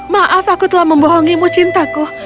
maaf aku telah membohongimu cintaku